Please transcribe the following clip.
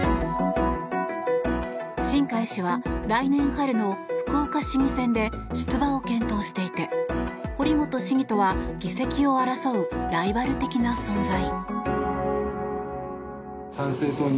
新開氏は来年春の福岡市議選で出馬を検討していて堀本市議とは議席を争うライバル的な存在。